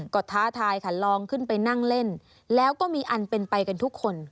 ก็ท้าทายค่ะลองขึ้นไปนั่งเล่นแล้วก็มีอันเป็นไปกันทุกคน